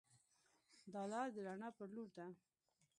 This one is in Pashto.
دا لار د رڼا پر لور ده.